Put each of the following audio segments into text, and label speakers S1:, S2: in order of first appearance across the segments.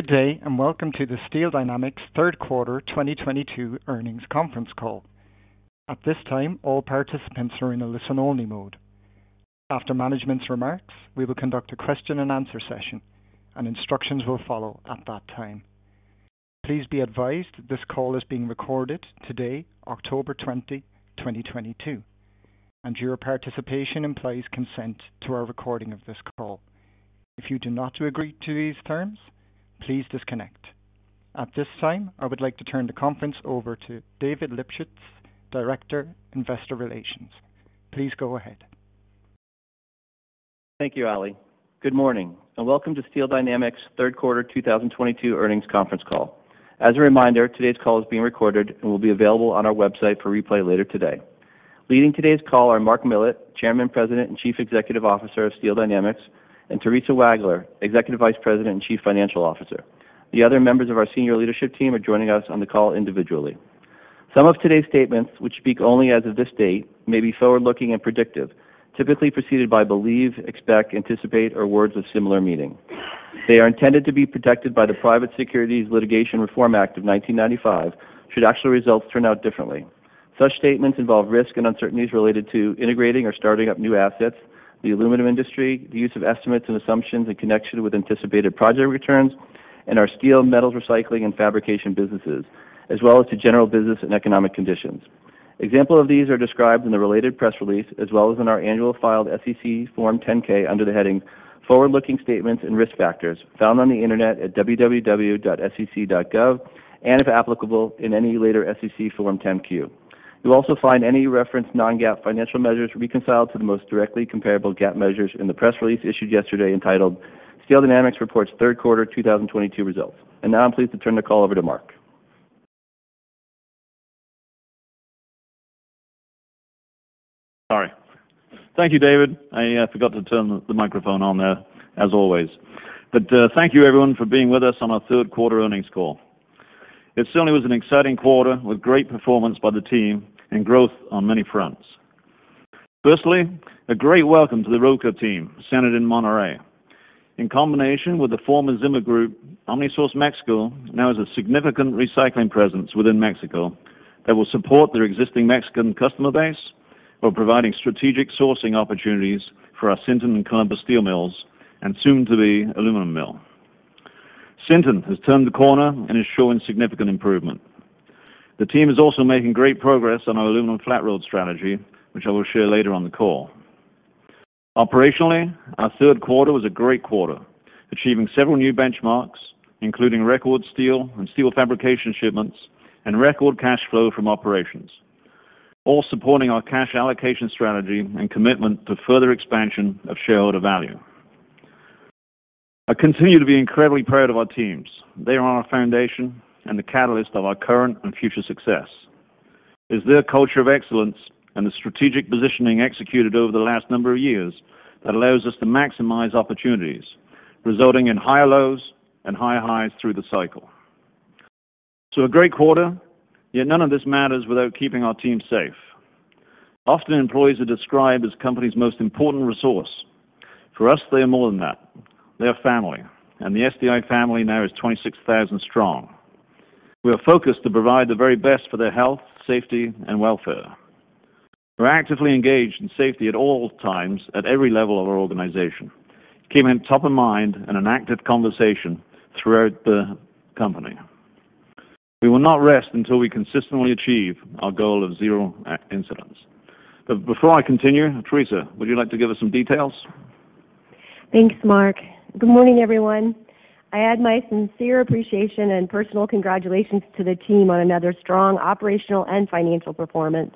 S1: Good day, and welcome to the Steel Dynamics Third Quarter 2022 Earnings Conference Call. At this time, all participants are in a listen-only mode. After management's remarks, we will conduct a question-and-answer session, and instructions will follow at that time. Please be advised this call is being recorded today, October 20, 2022, and your participation implies consent to our recording of this call. If you do not agree to these terms, please disconnect. At this time, I would like to turn the conference over to David Lipschitz, Director, Investor Relations. Please go ahead.
S2: Thank you, Ali. Good morning, and welcome to Steel Dynamics Third Quarter 2022 Earnings Conference Call. As a reminder, today's call is being recorded and will be available on our website for replay later today. Leading today's call are Mark Millett, Chairman, President, and Chief Executive Officer of Steel Dynamics, and Theresa Wagler, Executive Vice President and Chief Financial Officer. The other members of our senior leadership team are joining us on the call individually. Some of today's statements, which speak only as of this date, may be forward-looking and predictive, typically preceded by believe, expect, anticipate or words of similar meaning. They are intended to be protected by the Private Securities Litigation Reform Act of 1995, should actual results turn out differently. Such statements involve risks and uncertainties related to integrating or starting up new assets, the aluminum industry, the use of estimates and assumptions in connection with anticipated project returns, and our steel, metals recycling, and fabrication businesses, as well as to general business and economic conditions. Examples of these are described in the related press release, as well as in our annual filed SEC Form 10-K under the heading forward-looking statements and risk factors found on the Internet at www.sec.gov and, if applicable, in any later SEC Form 10-Q. You'll also find any referenced non-GAAP financial measures reconciled to the most directly comparable GAAP measures in the press release issued yesterday entitled Steel Dynamics Reports Third Quarter 2022 Results. Now I'm pleased to turn the call over to Mark.
S3: Sorry. Thank you, David. I forgot to turn the microphone on there as always. Thank you everyone for being with us on our third quarter earnings call. It certainly was an exciting quarter with great performance by the team and growth on many fronts. Firstly, a great welcome to the Roca team centered in Monterrey. In combination with the former Zimmer Group, OmniSource Mexico now has a significant recycling presence within Mexico that will support their existing Mexican customer base while providing strategic sourcing opportunities for our Sinton and Columbus steel mills and soon-to-be aluminum mill. Sinton has turned the corner and is showing significant improvement. The team is also making great progress on our aluminum flat-rolled strategy, which I will share later on the call. Operationally, our third quarter was a great quarter. Achieving several new benchmarks, including record steel and steel fabrication shipments and record cash flow from operations, all supporting our cash allocation strategy and commitment to further expansion of shareholder value. I continue to be incredibly proud of our teams. They are our foundation and the catalyst of our current and future success. It's their culture of excellence and the strategic positioning executed over the last number of years that allows us to maximize opportunities, resulting in higher lows and higher highs through the cycle. A great quarter. Yet none of this matters without keeping our team safe. Often, employees are described as a company's most important resource. For us, they are more than that. They are family, and the SDI family now is 26,000 strong. We are focused to provide the very best for their health, safety, and welfare. We're actively engaged in safety at all times at every level of our organization, keeping it top of mind in an active conversation throughout the company. We will not rest until we consistently achieve our goal of zero incidents. Before I continue, Theresa, would you like to give us some details?
S4: Thanks, Mark. Good morning, everyone. I add my sincere appreciation and personal congratulations to the team on another strong operational and financial performance.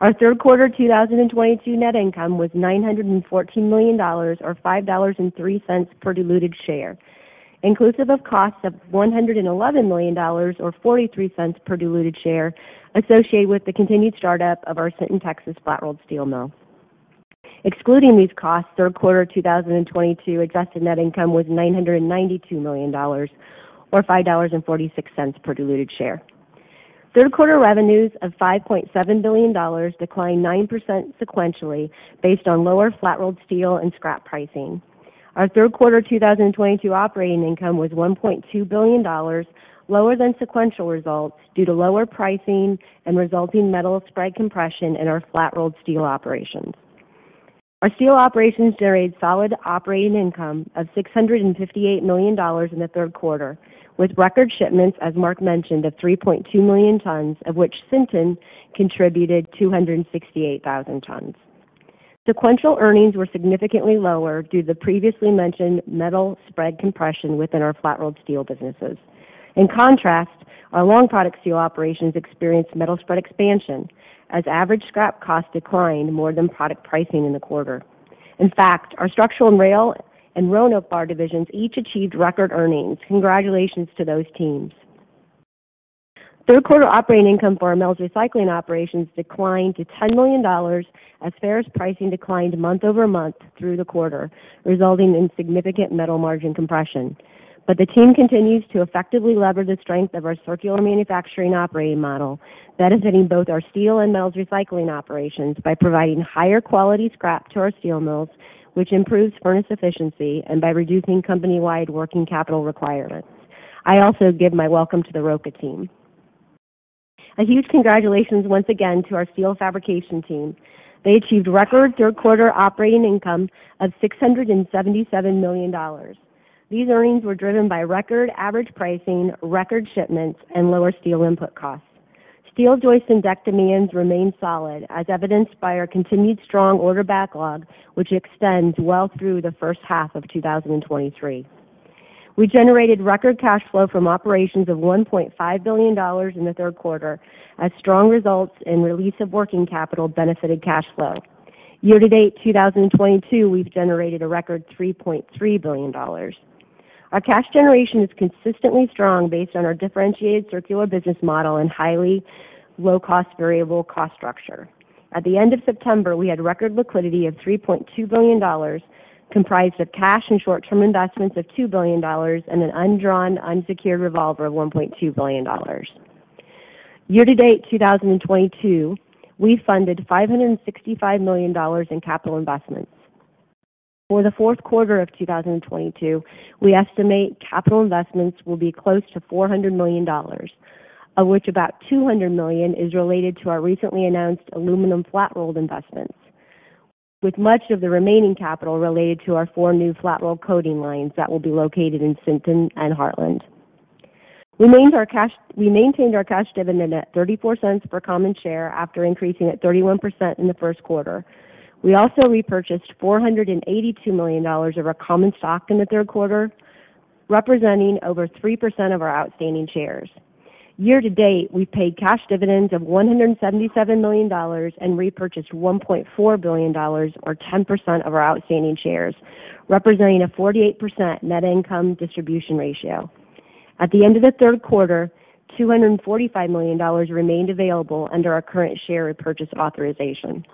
S4: Our third quarter 2022 net income was $914 million or $5.03 per diluted share, inclusive of costs of $111 million or $0.43 per diluted share associated with the continued startup of our Sinton, Texas, flat-rolled steel mill. Excluding these costs, third quarter 2022 adjusted net income was $992 million or $5.46 per diluted share. Third quarter revenues of $5.7 billion declined 9% sequentially based on lower flat-rolled steel and scrap pricing. Our third quarter 2022 operating income was $1.2 billion, lower than sequential results due to lower pricing and resulting metal spread compression in our flat-rolled steel operations. Our steel operations generated solid operating income of $658 million in the third quarter, with record shipments, as Mark mentioned, of 3.2 million tons, of which Sinton contributed 268,000 tons. Sequential earnings were significantly lower due to the previously mentioned metal spread compression within our flat-rolled steel businesses. In contrast, our long-product steel operations experienced metal spread expansion as average scrap costs declined more than product pricing in the quarter. In fact, our structural and rail and Roanoke bar divisions each achieved record earnings. Congratulations to those teams. Third quarter operating income for our mills' recycling operations declined to $10 million as ferrous pricing declined month-over-month through the quarter, resulting in significant metal margin compression. The team continues to effectively lever the strength of our circular manufacturing operating model, benefiting both our steel and mills recycling operations by providing higher quality scrap to our steel mills, which improves furnace efficiency and by reducing company-wide working capital requirements. I also give my welcome to the Roca team. A huge congratulations once again to our steel fabrication team. They achieved record third quarter operating income of $677 million. These earnings were driven by record average pricing, record shipments, and lower steel input costs. Steel joists and deck demands remain solid, as evidenced by our continued strong order backlog, which extends well through the first half of 2023. We generated record cash flow from operations of $1.5 billion in the third quarter as strong results and release of working capital benefited cash flow. Year to date, 2022, we've generated a record $3.3 billion. Our cash generation is consistently strong based on our differentiated circular business model and highly low-cost variable cost structure. At the end of September, we had record liquidity of $3.2 billion, comprised of cash and short-term investments of $2 billion and an undrawn unsecured revolver of $1.2 billion. Year to date, 2022, we funded $565 million in capital investments. For the fourth quarter of 2022, we estimate capital investments will be close to $400 million, of which about $200 million is related to our recently announced aluminum flat-rolled investments, with much of the remaining capital related to our four new flat-rolled coating lines that will be located in Sinton and Heartland. Regarding our cash, we maintained our cash dividend at $0.34 per common share after increasing at 31% in the first quarter. We also repurchased $482 million of our common stock in the third quarter, representing over 3% of our outstanding shares. Year to date, we paid cash dividends of $177 million and repurchased $1.4 billion, or 10% of our outstanding shares, representing a 48% net income distribution ratio. At the end of the third quarter, $245 million remained available under our current share repurchase authorization.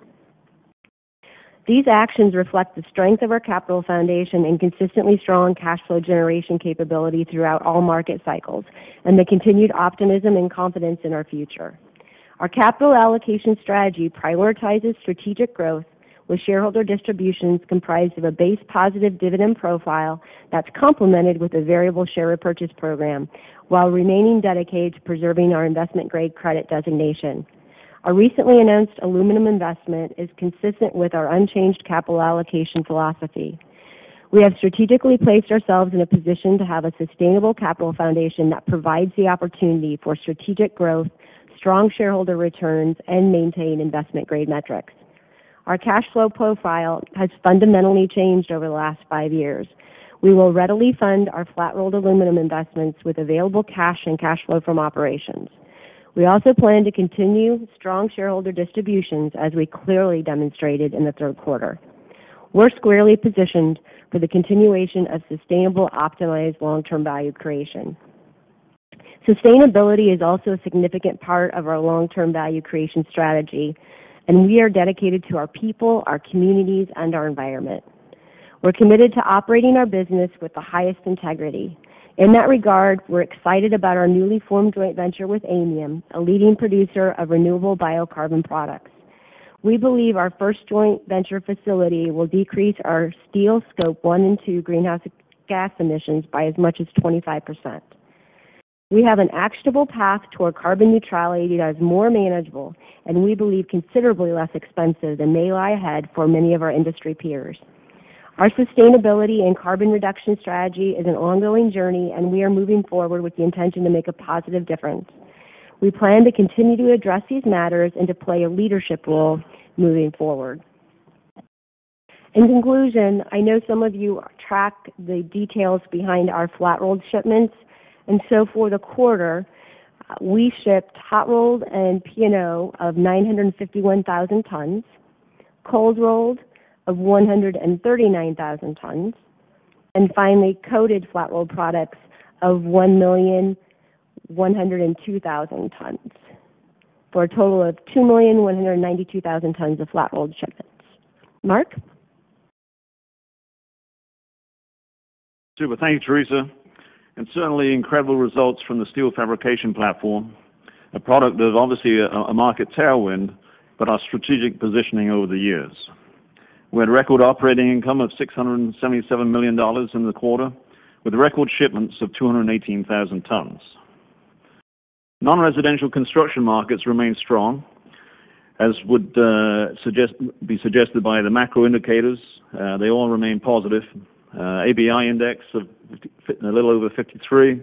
S4: These actions reflect the strength of our capital foundation and consistently strong cash flow generation capability throughout all market cycles and the continued optimism and confidence in our future. Our capital allocation strategy prioritizes strategic growth with shareholder distributions comprised of a base positive dividend profile that's complemented with a variable share repurchase program while remaining dedicated to preserving our investment-grade credit designation. Our recently announced aluminum investment is consistent with our unchanged capital allocation philosophy. We have strategically placed ourselves in a position to have a sustainable capital foundation that provides the opportunity for strategic growth, strong shareholder returns, and maintain investment-grade metrics. Our cash flow profile has fundamentally changed over the last five years. We will readily fund our flat-rolled aluminum investments with available cash and cash flow from operations. We also plan to continue strong shareholder distributions, as we clearly demonstrated in the third quarter. We're squarely positioned for the continuation of sustainable, optimized long-term value creation. Sustainability is also a significant part of our long-term value creation strategy, and we are dedicated to our people, our communities, and our environment. We're committed to operating our business with the highest integrity. In that regard, we're excited about our newly formed joint venture with Aymium, a leading producer of renewable biocarbon products. We believe our first joint venture facility will decrease our steel scope one and two greenhouse gas emissions by as much as 25%. We have an actionable path toward carbon neutrality that is more manageable and we believe considerably less expensive than may lie ahead for many of our industry peers. Our sustainability and carbon reduction strategy is an ongoing journey, and we are moving forward with the intention to make a positive difference. We plan to continue to address these matters and to play a leadership role moving forward. In conclusion, I know some of you track the details behind our flat-rolled shipments, and so for the quarter, we shipped hot-rolled and P&O of 951,000 tons, cold-rolled of 139,000 tons, and finally, coated flat-rolled products of 1,102,000 tons for a total of 2,192,000 tons of flat-rolled shipments. Mark?
S3: Super. Thank you, Theresa. Certainly incredible results from the steel fabrication platform, a product that is obviously a market tailwind, but our strategic positioning over the years. We had record operating income of $677 million in the quarter, with record shipments of 218,000 tons. Non-residential construction markets remain strong, as would be suggested by the macro indicators. They all remain positive. ABI index a little over 53.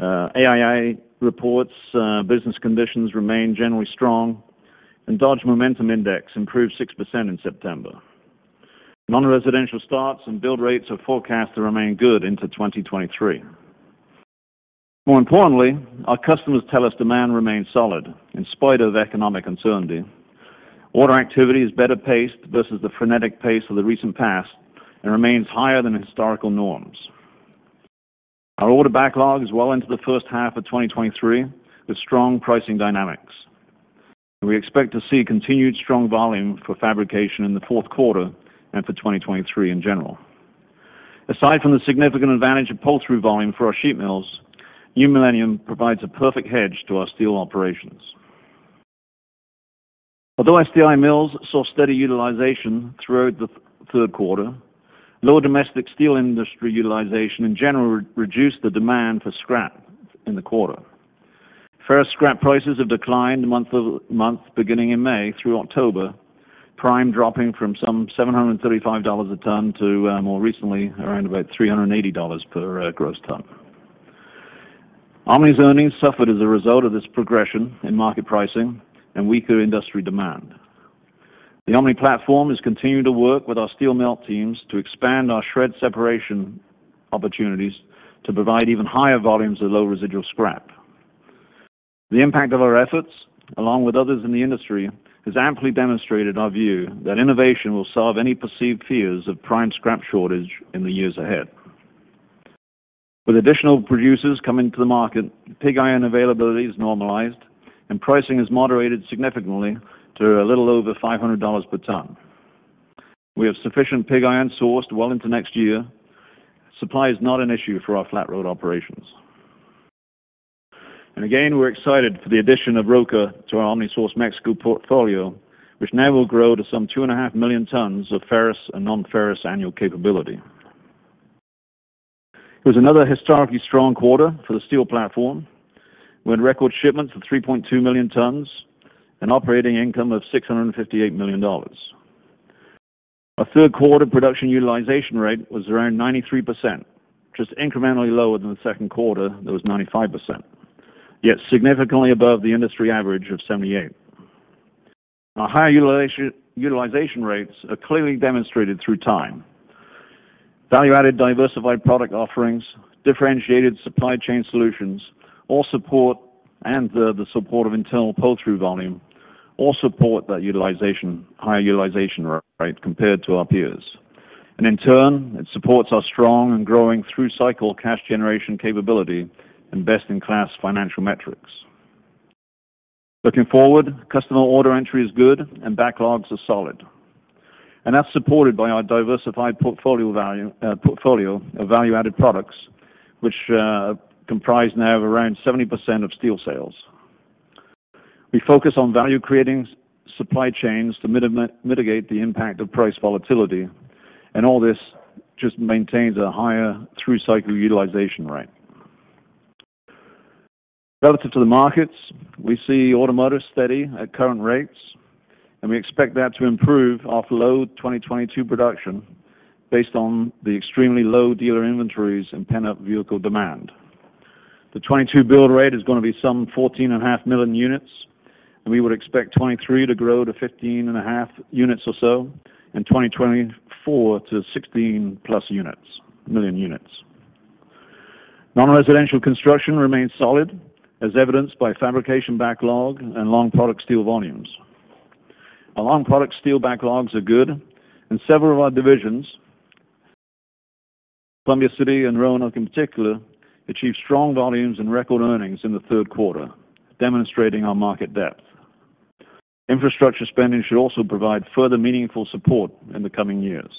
S3: AII reports business conditions remain generally strong, and Dodge Momentum Index improved 6% in September. Non-residential starts and build rates are forecast to remain good into 2023. More importantly, our customers tell us demand remains solid in spite of economic uncertainty. Order activity is better paced versus the frenetic pace of the recent past and remains higher than historical norms. Our order backlog is well into the first half of 2023, with strong pricing dynamics. We expect to see continued strong volume for fabrication in the fourth quarter and for 2023 in general. Aside from the significant advantage of pull-through volume for our sheet mills, New Millennium provides a perfect hedge to our steel operations. Although SDI mills saw steady utilization throughout the third quarter, lower domestic steel industry utilization in general reduced the demand for scrap in the quarter. First, scrap prices have declined month-over-month beginning in May through October, prime dropping from some $735 a ton to more recently around about $380 per gross ton. Omni's earnings suffered as a result of this progression in market pricing and weaker industry demand. The Omni platform is continuing to work with our steel mill teams to expand our shred separation opportunities to provide even higher volumes of low residual scrap. The impact of our efforts, along with others in the industry, has amply demonstrated our view that innovation will solve any perceived fears of prime scrap shortage in the years ahead. With additional producers coming to the market, pig iron availability is normalized, and pricing has moderated significantly to a little over $500 per ton. We have sufficient pig iron sourced well into next year. Supply is not an issue for our flat-rolled operations. Again, we're excited for the addition of Roca Acero to our OmniSource Mexico portfolio, which now will grow to some 2.5 million tons of ferrous and nonferrous annual capability. It was another historically strong quarter for the steel platform. We had record shipments of 3.2 million tons and operating income of $658 million. Our third quarter production utilization rate was around 93%, just incrementally lower than the second quarter that was 95%. Yet significantly above the industry average of 78%. Our high utilization rates are clearly demonstrated through time. Value-added diversified product offerings, differentiated supply chain solutions, all support and the support of internal pull-through volume all support that utilization, high utilization rate compared to our peers. In turn, it supports our strong and growing through-cycle cash generation capability and best-in-class financial metrics. Looking forward, customer order entry is good and backlogs are solid, and that's supported by our diversified portfolio value, portfolio of value-added products which comprise now of around 70% of steel sales. We focus on value-creating supply chains to mitigate the impact of price volatility, and all this just maintains a higher through-cycle utilization rate. Relative to the markets, we see automotive steady at current rates, and we expect that to improve off low 2022 production based on the extremely low dealer inventories and pent-up vehicle demand. The 2022 build rate is gonna be some 14.5 million units, and we would expect 2023 to grow to 15.5 million units or so, and 2024 to 16+ million units. Non-residential construction remains solid, as evidenced by fabrication backlog and long product steel volumes. Our long-product steel backlogs are good, and several of our divisions, Columbia City and Roanoke in particular, achieved strong volumes and record earnings in the third quarter, demonstrating our market depth. Infrastructure spending should also provide further meaningful support in the coming years.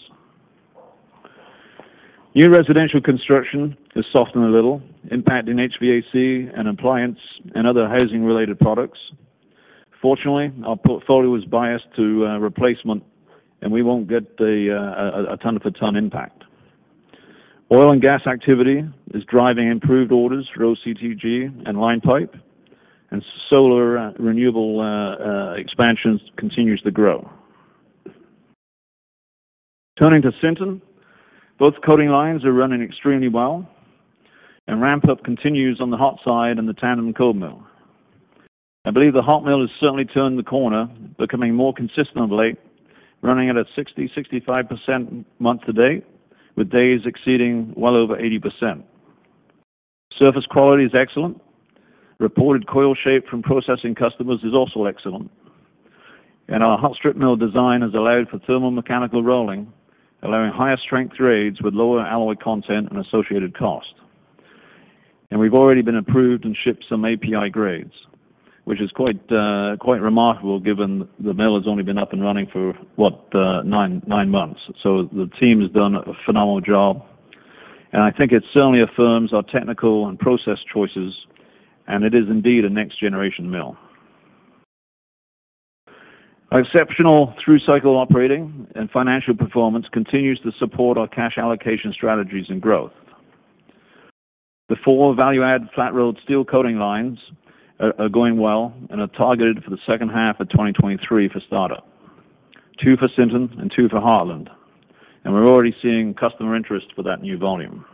S3: New residential construction has softened a little, impacting HVAC and appliance and other housing-related products. Fortunately, our portfolio is biased to replacement and we won't get the a ton for ton impact. Oil and gas activity is driving improved orders for OCTG and line pipe, and solar renewable expansions continues to grow. Turning to Sinton, both coating lines are running extremely well and ramp-up continues on the hot side and the tandem cold mill. I believe the hot mill has certainly turned the corner, becoming more consistent of late, running at a 60%, 65% month-to-date, with days exceeding well over 80%. Surface quality is excellent. Reported coil shape from processing customers is also excellent. Our hot strip mill design has allowed for thermal-mechanical rolling, allowing higher strength grades with lower alloy content and associated cost. We've already been approved and shipped some API grades, which is quite remarkable given the mill has only been up and running for nine months. The team has done a phenomenal job, and I think it certainly affirms our technical and process choices, and it is indeed a next-generation mill. Our exceptional through-cycle operating and financial performance continues to support our cash allocation strategies and growth. The four value-add flat-rolled steel coating lines are going well and are targeted for the second half of 2023 for startup, two for Sinton and two for Heartland. We're already seeing customer interest for that new volume.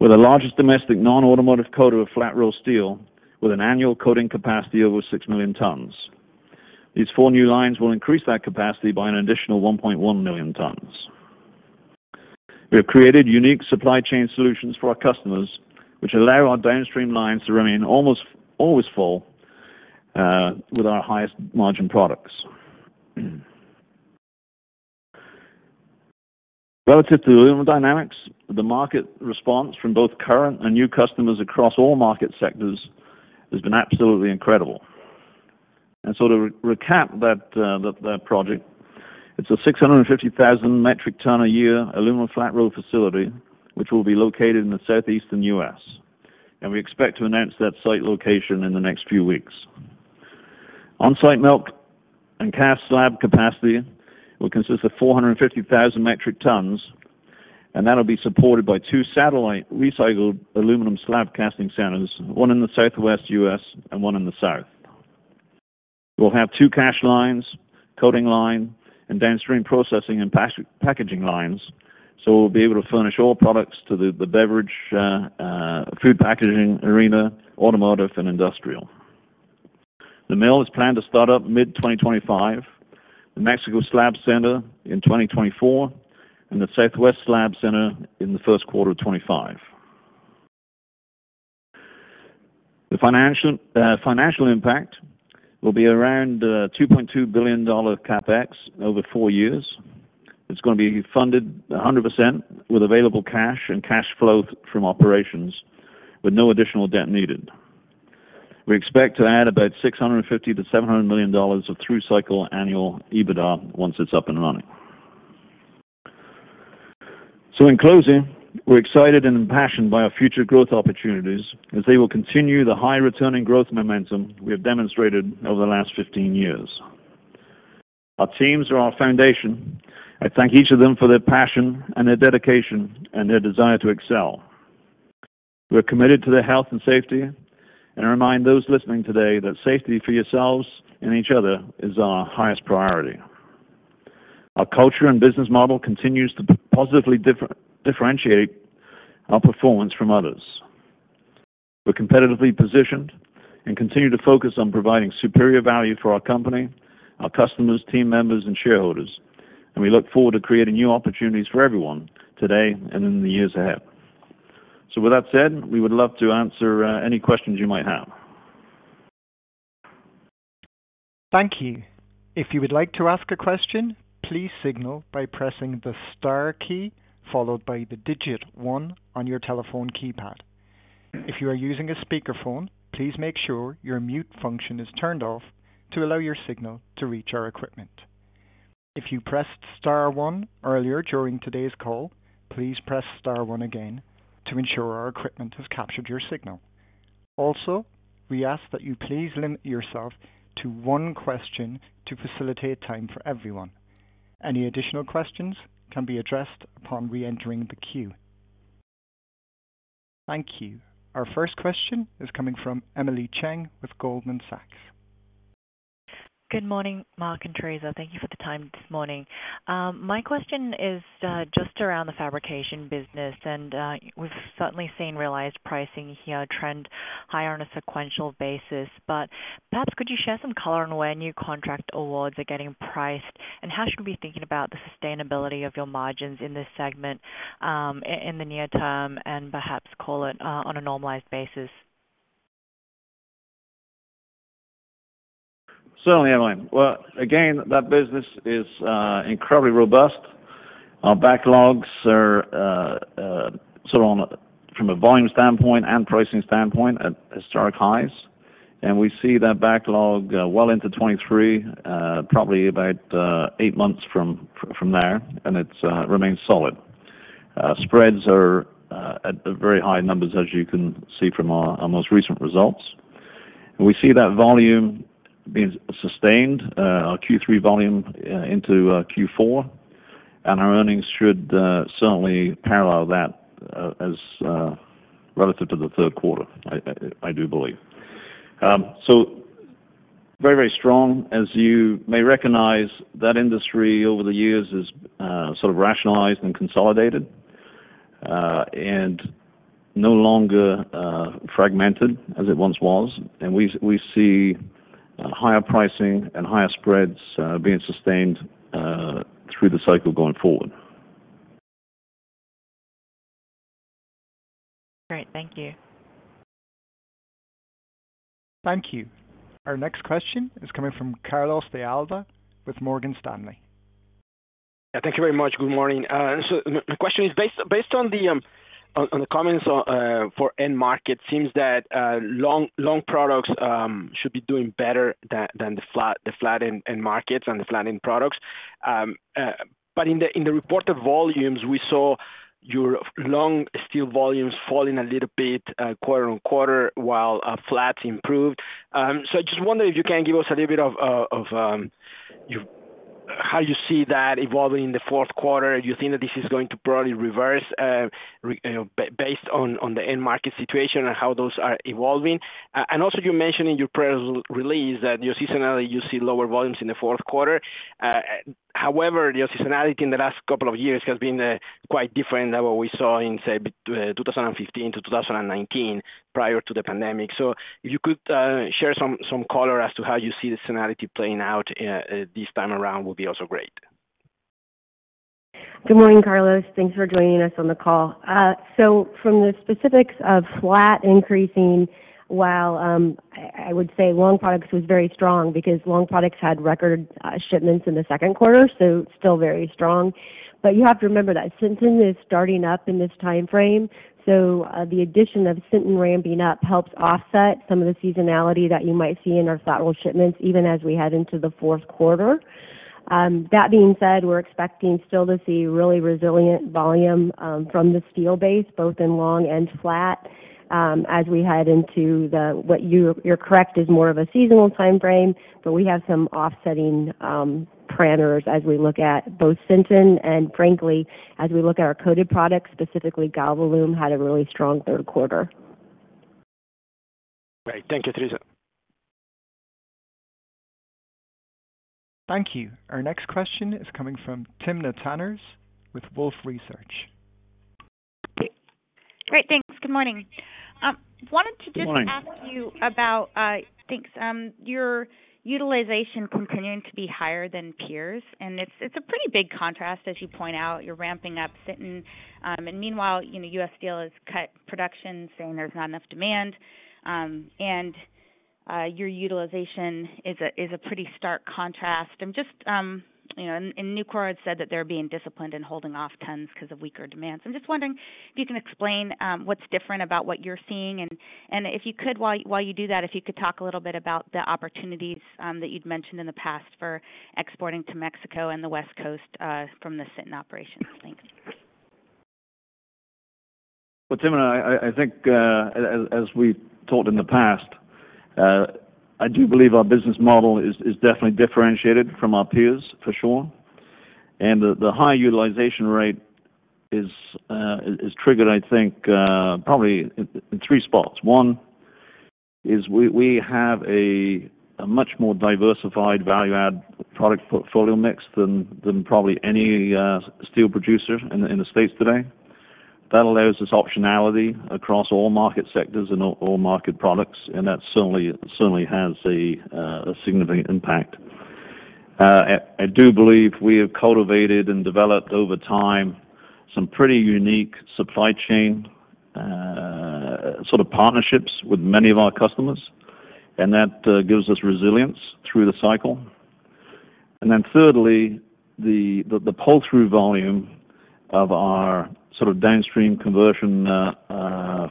S3: We're the largest domestic non-automotive coater of flat-rolled steel with an annual coating capacity over 6 million tons. These four new lines will increase that capacity by an additional 1.1 million tons. We have created unique supply chain solutions for our customers, which allow our downstream lines to remain almost always full with our highest margin products. Relative to aluminum dynamics, the market response from both current and new customers across all market sectors has been absolutely incredible. To recap that project, it's a 650,000 metric ton a year aluminum flat-rolled facility which will be located in the southeastern U.S. We expect to announce that site location in the next few weeks. On-site melt and cast slab capacity will consist of 450,000 metric tons, and that'll be supported by two satellite recycled aluminum slab casting centers, one in the Southwest U.S. and one in the South. We'll have two cast lines, coating line, and downstream processing and packaging lines. We'll be able to furnish all products to the beverage, food packaging arena, automotive, and industrial. The mill is planned to start up mid-2025, the Mexico slab center in 2024, and the Southwest slab center in the first quarter of 2025. The financial impact will be around $2.2 billion CapEx over four years. It's gonna be funded 100% with available cash and cash flow from operations with no additional debt needed. We expect to add about $650 million-$700 million of through cycle annual EBITDA once it's up and running. In closing, we're excited and impassioned by our future growth opportunities as they will continue the high returning growth momentum we have demonstrated over the last 15 years. Our teams are our foundation. I thank each of them for their passion and their dedication and their desire to excel. We're committed to their health and safety, and remind those listening today that safety for yourselves and each other is our highest priority. Our culture and business model continues to positively differentiate our performance from others. We're competitively positioned and continue to focus on providing superior value for our company, our customers, team members, and shareholders, and we look forward to creating new opportunities for everyone today and in the years ahead. With that said, we would love to answer any questions you might have.
S1: Thank you. If you would like to ask a question, please signal by pressing the star key followed by the digit one on your telephone keypad. If you are using a speakerphone, please make sure your mute function is turned off to allow your signal to reach our equipment. If you pressed star one earlier during today's call, please press star one again to ensure our equipment has captured your signal. Also, we ask that you please limit yourself to one question to facilitate time for everyone. Any additional questions can be addressed upon reentering the queue. Thank you. Our first question is coming from Emily Chieng with Goldman Sachs.
S5: Good morning, Mark and Theresa. Thank you for the time this morning. My question is just around the fabrication business, and we've certainly seen realized pricing here trend higher on a sequential basis. Perhaps could you share some color on where new contract awards are getting priced, and how should we be thinking about the sustainability of your margins in this segment, in the near term and perhaps call it on a normalized basis?
S3: Certainly, Emily. Well, again, that business is incredibly robust. Our backlogs are sort of from a volume standpoint and pricing standpoint at historic highs. We see that backlog well into 2023, probably about eight months from there, and it remains solid. Spreads are at very high numbers, as you can see from our most recent results. We see that volume being sustained, our Q3 volume into Q4, and our earnings should certainly parallel that as relative to the third quarter, I do believe. So very strong. As you may recognize, that industry over the years is sort of rationalized and consolidated, and no longer fragmented as it once was. We see higher pricing and higher spreads being sustained through the cycle going forward.
S5: Great. Thank you.
S1: Thank you. Our next question is coming from Carlos de Alba with Morgan Stanley.
S6: Yeah, thank you very much. Good morning. So my question is based on the comments for end market. It seems that long products should be doing better than the flat end markets and the flat end products. But in the reported volumes, we saw your long steel volumes falling a little bit quarter-over-quarter while flats improved. So I just wonder if you can give us a little bit of how you see that evolving in the fourth quarter. Do you think that this is going to probably reverse, you know, based on the end market situation and how those are evolving? And also you mentioned in your press release that your seasonality you see lower volumes in the fourth quarter. However, your seasonality in the last couple of years has been quite different than what we saw in, say, 2015 to 2019 prior to the pandemic. If you could share some color as to how you see the seasonality playing out this time around, that will be also great.
S4: Good morning, Carlos. Thanks for joining us on the call. From the specifics of flat increasing while, I would say long products was very strong because long products had record shipments in the second quarter, so still very strong. You have to remember that Sinton is starting up in this timeframe, so the addition of Sinton ramping up helps offset some of the seasonality that you might see in our flat-rolled shipments even as we head into the fourth quarter. That being said, we're expecting still to see really resilient volume from the steel base, both in long and flat, as we head into. You're correct, is more of a seasonal timeframe, but we have some offsetting parameters as we look at both Sinton and frankly, as we look at our coated products, specifically Galvalume had a really strong third quarter.
S3: Great. Thank you, Theresa.
S1: Thank you. Our next question is coming from Timna Tanners with Wolfe Research.
S7: Great. Thanks. Good morning. Wanted to just
S3: Good morning.
S7: Your utilization continuing to be higher than peers, and it's a pretty big contrast as you point out. You're ramping up Sinton, and meanwhile, you know, U.S. Steel has cut production, saying there's not enough demand. Your utilization is a pretty stark contrast. I'm just, you know, and Nucor had said that they're being disciplined and holding off tons 'cause of weaker demand. I'm just wondering if you can explain what's different about what you're seeing, and if you could, while you do that, if you could talk a little bit about the opportunities that you'd mentioned in the past for exporting to Mexico and the West Coast from the Sinton operations. Thanks.
S3: Well, Timna, I think as we've talked in the past, I do believe our business model is definitely differentiated from our peers, for sure. The high utilization rate is triggered, I think, probably in three spots. One is we have a much more diversified value-add product portfolio mix than probably any steel producer in the States today. That allows us optionality across all market sectors and all market products, and that certainly has a significant impact. I do believe we have cultivated and developed over time some pretty unique supply chain sort of partnerships with many of our customers, and that gives us resilience through the cycle. Thirdly, the pull-through volume of our sort of downstream conversion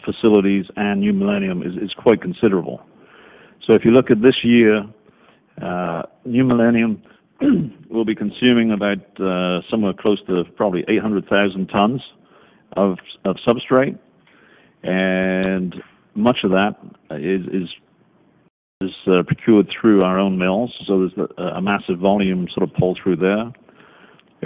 S3: facilities and New Millennium is quite considerable. If you look at this year, New Millennium will be consuming about somewhere close to probably 800,000 tons of substrate. Much of that is procured through our own mills, so there's a massive volume sort of pull-through there.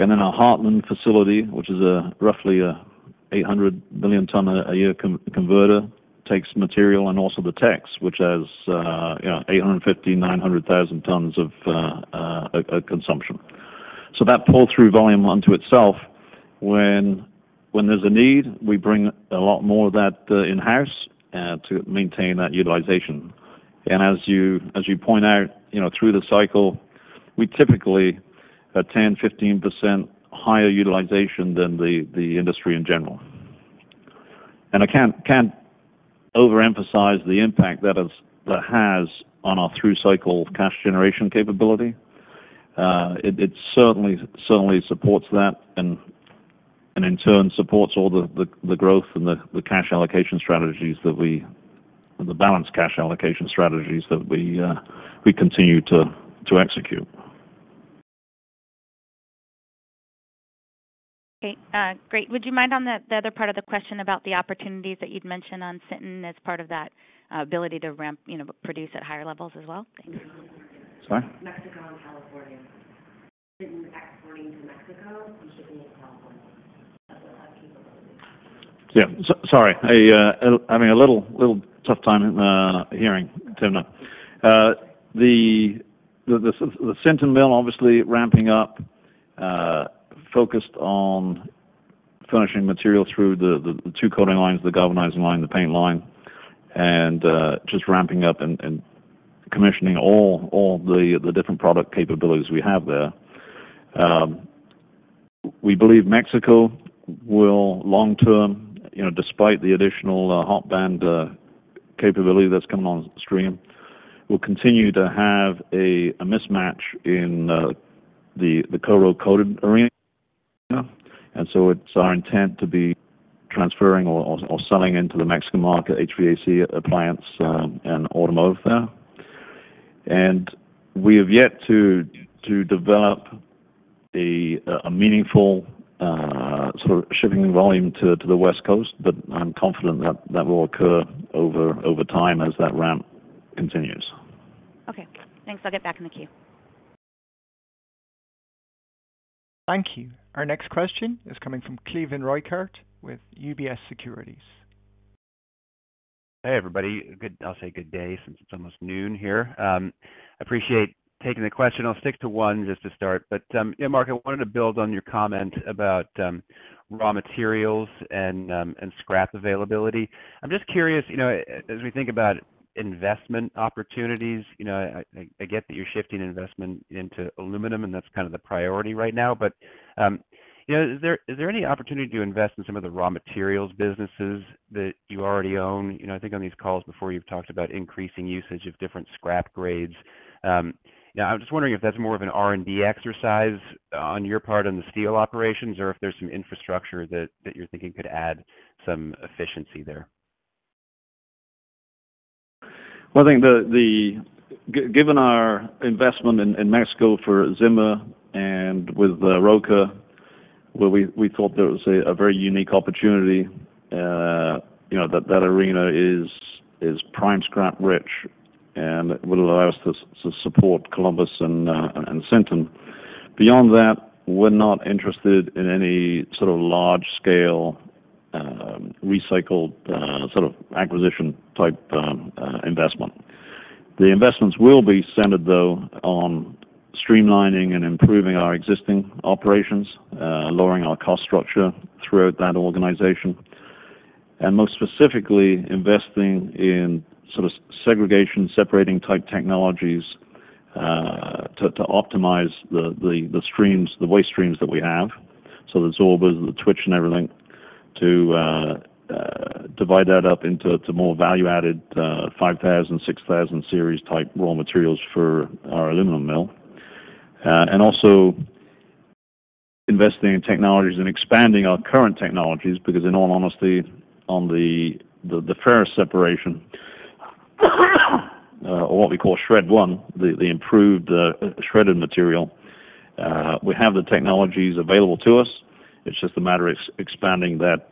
S3: Our Heartland facility, which is roughly a 800,000-ton-a-year converter, takes material and also The Techs, which has 850,000-900,000 tons of consumption. That pull-through volume onto itself, when there's a need, we bring a lot more of that in-house to maintain that utilization. As you point out, you know, through the cycle, we typically attain 15% higher utilization than the industry in general. I can't overemphasize the impact that has on our through cycle cash generation capability. It certainly supports that and in turn supports all the growth and the balanced cash allocation strategies that we continue to execute.
S7: Okay, great. Would you mind on the other part of the question about the opportunities that you'd mentioned on Sinton as part of that ability to ramp, you know, produce at higher levels as well? Thanks.
S3: Sorry?
S4: Mexico and California. Sinton's exporting to Mexico and shipping to California. That will have capabilities.
S3: Sorry. I'm having a little tough time hearing Timna now. The Sinton mill obviously ramping up, focused on furnishing material through the two coating lines, the galvanizing line, the paint line, and just ramping up and commissioning all the different product capabilities we have there. We believe Mexico will long-term, you know, despite the additional hot band capability that's coming on stream, will continue to have a mismatch in the cold roll coated arena. It's our intent to be transferring or selling into the Mexican market, HVAC, appliance, and automotive there. We have yet to develop a meaningful sort of shipping volume to the West Coast, but I'm confident that that will occur over time as that ramp continues.
S7: Okay, thanks. I'll get back in the queue.
S1: Thank you. Our next question is coming from Cleve Rueckert with UBS Securities.
S8: Hey, everybody. I'll say good day since it's almost noon here. I appreciate you taking the question. I'll stick to one just to start. Yeah, Mark, I wanted to build on your comment about raw materials and scrap availability. I'm just curious, you know, as we think about investment opportunities, you know, I get that you're shifting investment into aluminum, and that's kind of the priority right now. You know, is there any opportunity to invest in some of the raw materials businesses that you already own? You know, I think on these calls before, you've talked about increasing usage of different scrap grades. Now I'm just wondering if that's more of an R&D exercise on your part on the steel operations or if there's some infrastructure that you're thinking could add some efficiency there.
S3: Well, I think given our investment in Mexico for Zimmer, and with Roca Acero, where we thought there was a very unique opportunity, you know, that arena is prime scrap-rich and it will allow us to support Columbus and Sinton. Beyond that, we're not interested in any sort of large-scale recycled sort of acquisition-type investment. The investments will be centered though on streamlining and improving our existing operations, lowering our cost structure throughout that organization, and most specifically investing in sort of segregation, separating-type technologies to optimize the streams, the waste streams that we have. The absorbers, the twitch and everything to divide that up into more value-added 5,000, 6,000 series-type raw materials for our aluminum mill. Also investing in technologies and expanding our current technologies because in all honesty, on the ferrous separation, or what we call shred one, the improved shredded material, we have the technologies available to us. It's just a matter of expanding that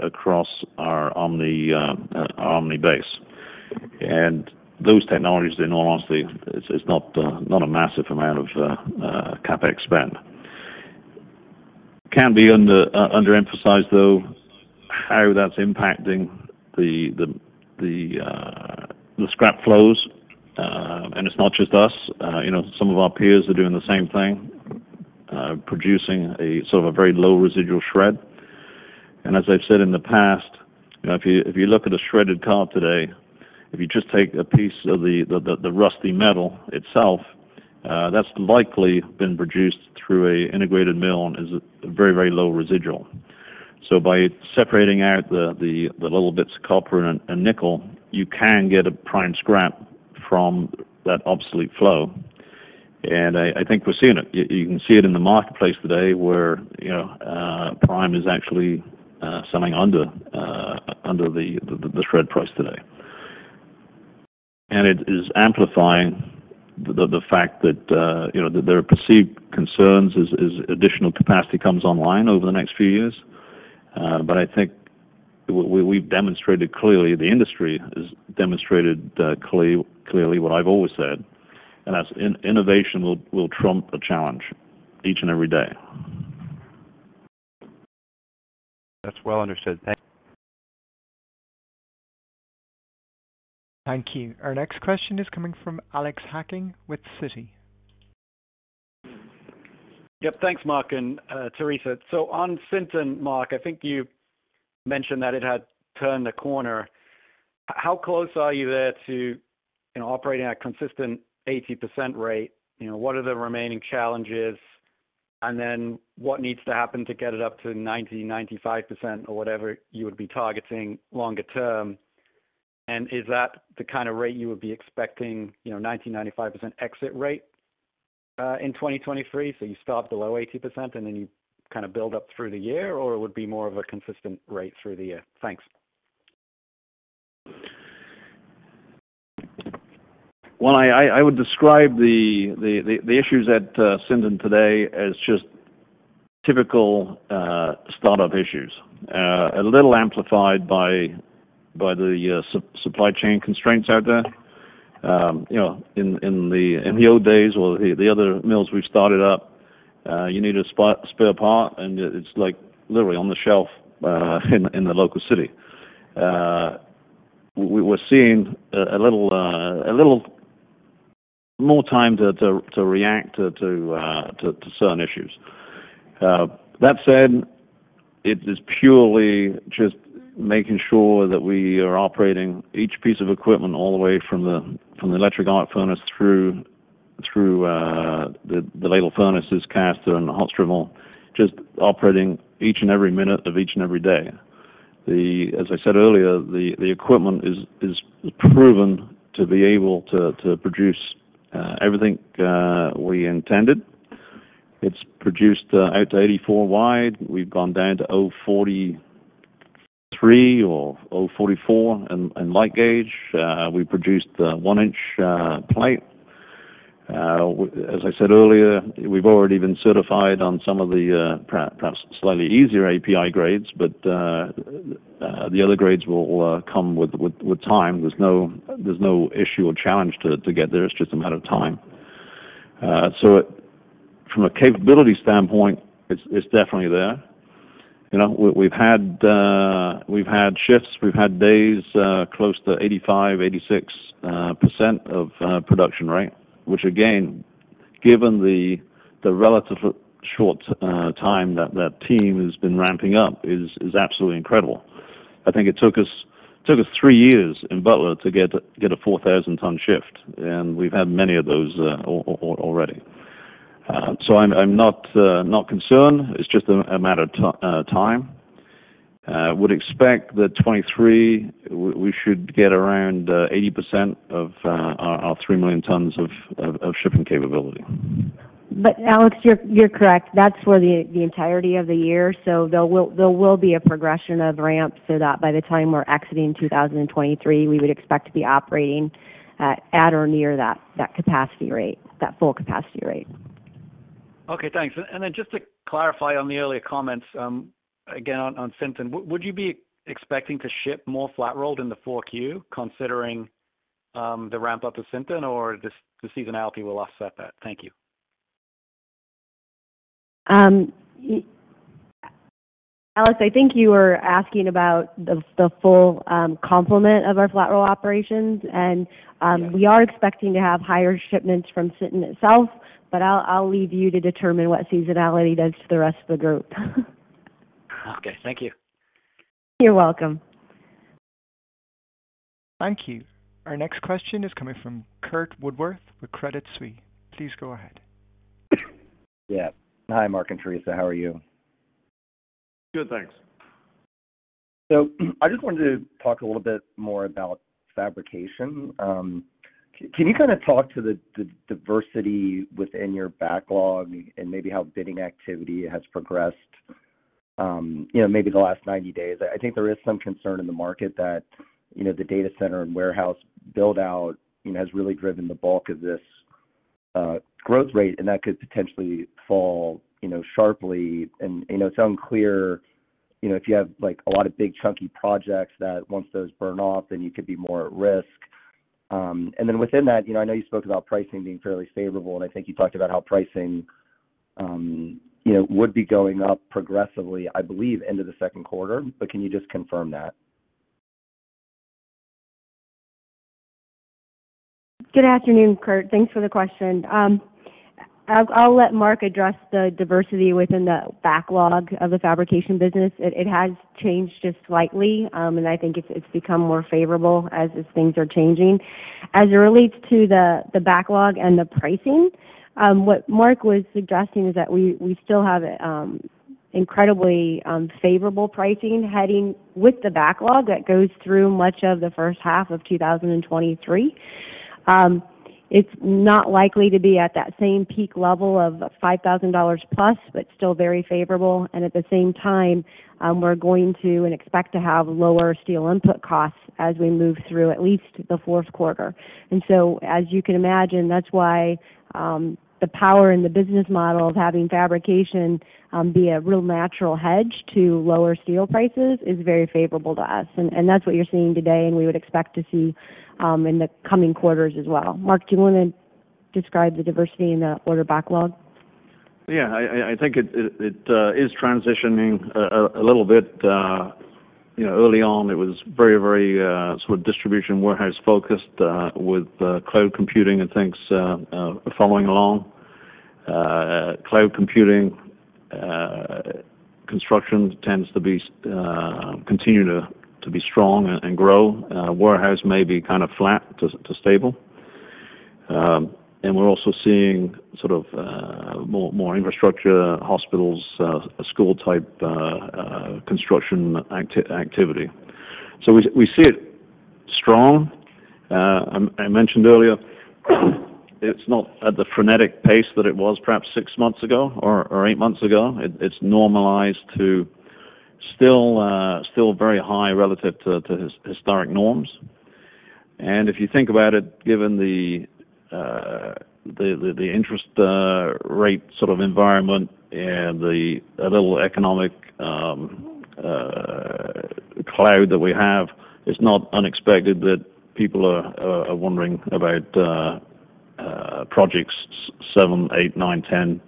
S3: across our OmniSource base. Those technologies, in all honesty, it's not a massive amount of CapEx spend. Can't be underemphasized, though, how that's impacting the scrap flows. It's not just us, you know, some of our peers are doing the same thing, producing a sort of a very low residual shred. As I've said in the past, you know, if you look at a shredded car today, if you just take a piece of the rusty metal itself, that's likely been produced through an integrated mill and is a very, very low residual. By separating out the little bits of copper and nickel, you can get a prime scrap from that obsolete flow. I think we're seeing it. You can see it in the marketplace today where, you know, prime is actually selling under the shred price today. It is amplifying the fact that, you know, that there are perceived concerns as additional capacity comes online over the next few years. I think we've demonstrated clearly, the industry has demonstrated clearly what I've always said, and that's innovation will trump a challenge each and every day.
S8: That's well understood.
S1: Thank you. Our next question is coming from Alex Hacking with Citi.
S9: Yep. Thanks, Mark and Theresa. On Sinton, Mark, I think you mentioned that it had turned a corner. How close are you there to, you know, operating at a consistent 80% rate? You know, what are the remaining challenges? What needs to happen to get it up to 90%-95% or whatever you would be targeting longer term? Is that the kinda rate you would be expecting, you know, 90%-95% exit rate in 2023? You start below 80% and then you kinda build up through the year, or it would be more of a consistent rate through the year? Thanks.
S3: Well, I would describe the issues at Sinton today as just typical startup issues. A little amplified by the supply chain constraints out there. You know, in the old days or the other mills we've started up, you need a spare part, and it's like literally on the shelf in the local city. We're seeing a little more time to react to certain issues. That said, it is purely just making sure that we are operating each piece of equipment all the way from the electric arc furnace through the ladle furnaces, caster, and the hot strip mill, just operating each and every minute of each and every day. As I said earlier, the equipment is proven to be able to produce everything we intended. It's produced out to 84 wide. We've gone down to 0.043 or 0.044 in light gauge. We produced 1-in plate. As I said earlier, we've already been certified on some of the perhaps slightly easier API grades, but the other grades will come with time. There's no issue or challenge to get there. It's just a matter of time. From a capability standpoint, it's definitely there. You know, we've had shifts, we've had days close to 85%-86% of production rate, which again, given the relatively short time that team has been ramping up is absolutely incredible. I think it took us three years in Butler to get a 4,000-ton shift, and we've had many of those already. I'm not concerned. It's just a matter of time. Would expect that 2023, we should get around 80% of our 3 million tons of shipping capability.
S4: Alex, you're correct. That's for the entirety of the year. There will be a progression of ramp, so that by the time we're exiting 2023, we would expect to be operating at or near that capacity rate, that full capacity rate.
S9: Okay, thanks. Just to clarify on the earlier comments, again, on Sinton, would you be expecting to ship more flat-rolled in the 4Q, considering the ramp up of Sinton or the seasonality will offset that? Thank you.
S4: Alex, I think you were asking about the full complement of our flat-roll operations. We are expecting to have higher shipments from Sinton itself, but I'll leave you to determine what seasonality does to the rest of the group.
S9: Okay, thank you.
S4: You're welcome.
S1: Thank you. Our next question is coming from Curt Woodworth with Credit Suisse. Please go ahead.
S10: Yeah. Hi, Mark and Theresa. How are you?
S3: Good, thanks.
S10: I just wanted to talk a little bit more about fabrication. Can you kinda talk to the diversity within your backlog and maybe how bidding activity has progressed, you know, maybe the last 90 days? I think there is some concern in the market that, you know, the data center and warehouse build-out, you know, has really driven the bulk of this, growth rate, and that could potentially fall, you know, sharply. You know, it's unclear, you know, if you have, like, a lot of big chunky projects that once those burn off, then you could be more at risk. And then within that, you know, I know you spoke about pricing being fairly favorable, and I think you talked about how pricing, you know, would be going up progressively, I believe, into the second quarter, but can you just confirm that?
S4: Good afternoon, Curt. Thanks for the question. I'll let Mark address the diversity within the backlog of the fabrication business. It has changed just slightly, and I think it's become more favorable as things are changing. As it relates to the backlog and the pricing, what Mark was suggesting is that we still have incredibly favorable pricing in the backlog that goes through much of the first half of 2023. It's not likely to be at that same peak level of $5,000+, but still very favorable. At the same time, we expect to have lower steel input costs as we move through at least the fourth quarter. As you can imagine, that's why, the power in the business model of having fabrication, be a real natural hedge to lower steel prices is very favorable to us. That's what you're seeing today, and we would expect to see, in the coming quarters as well. Mark, do you wanna describe the diversity in the order backlog?
S3: Yeah. I think it is transitioning a little bit. You know, early on, it was very sort of distribution warehouse-focused, with cloud computing and things following along. Cloud computing construction tends to be continue to be strong and grow. Warehouse may be kind of flat to stable. And we're also seeing sort of more infrastructure, hospitals, school-type construction activity. We see it strong. I mentioned earlier, it's not at the frenetic pace that it was perhaps six months ago or eight months ago. It's normalized to still very high relative to historic norms. If you think about it, given the interest rate sort of environment and a little economic cloud that we have, it's not unexpected that people are wondering about projects seven, eight, nine, 10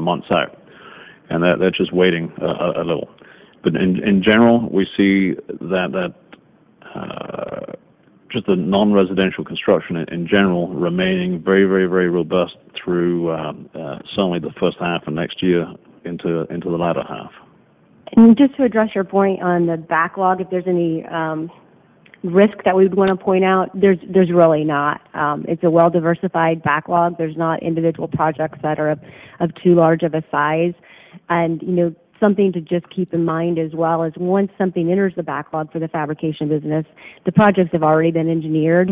S3: months out. They're just waiting a little. In general, we see that just the non-residential construction in general remaining very robust through certainly the first half of next year into the latter half.
S4: Just to address your point on the backlog, if there's any risk that we would wanna point out, there's really not. It's a well-diversified backlog. There's not individual projects that are of too large of a size. You know, something to just keep in mind as well is once something enters the backlog for the fabrication business, the projects have already been engineered.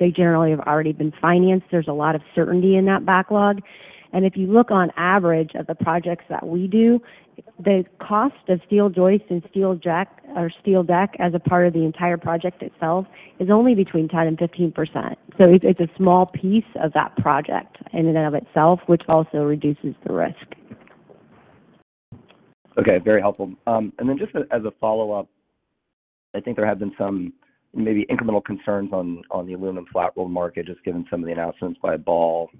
S4: They generally have already been financed. There's a lot of certainty in that backlog. If you look on average of the projects that we do, the cost of steel joists and steel deck or steel deck as a part of the entire project itself is only between 10%-15%. It's a small piece of that project in and of itself, which also reduces the risk.
S10: Okay, very helpful. And then just as a follow-up, I think there have been some maybe incremental concerns on the aluminum flat-rolled market, just given some of the announcements by Ball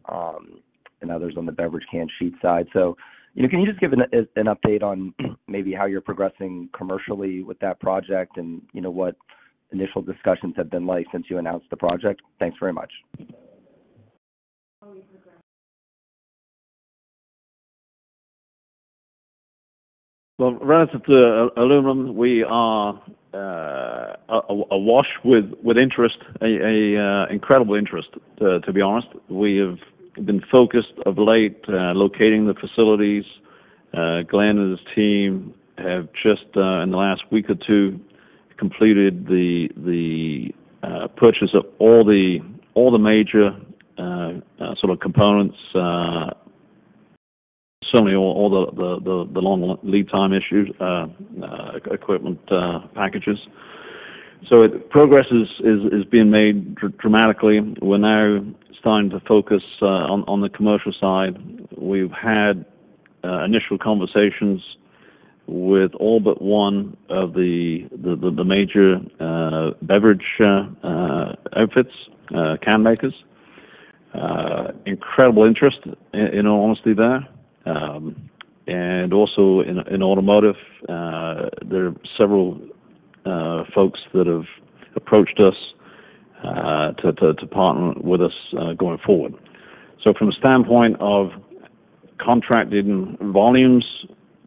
S10: and others on the beverage can sheet side. You know, can you just give an update on maybe how you're progressing commercially with that project and, you know, what initial discussions have been like since you announced the project? Thanks very much.
S3: Well, relative to aluminum, we are awash with interest, incredible interest, to be honest. We have been focused of late locating the facilities. Glenn and his team have just in the last week or two completed the purchase of all the major sort of components, certainly all the long lead time issues, equipment packages. Progress is being made dramatically. We're now starting to focus on the commercial side. We've had initial conversations with all but one of the major beverage outfits, can makers. Incredible interest in all honesty there. In automotive, there are several folks that have approached us to partner with us going forward. From the standpoint of contracted volumes,